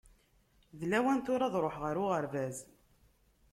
D lawan tura ad ṛuḥeɣ ar uɣerbaz.